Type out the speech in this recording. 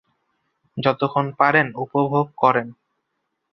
যতক্ষণ পারেন উপভোগ করুন।